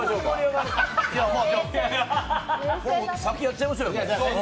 先やっちゃいましょうよ。